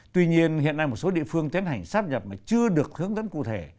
tuy nhiên hiện nay một số địa phương tiến hành sắp nhập mà chưa được hướng dẫn cụ thể